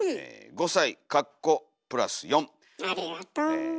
ありがと。